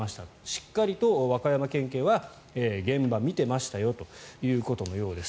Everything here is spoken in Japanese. しっかりと和歌山県警は現場を見ていたということのようです。